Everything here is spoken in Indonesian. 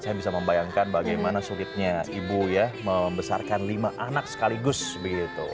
saya bisa membayangkan bagaimana sulitnya ibu ya membesarkan lima anak sekaligus begitu